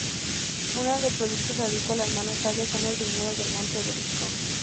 Una de productos agrícolas más notables son los viñedos del Monte Druso.